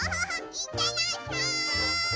いってらっしゃい！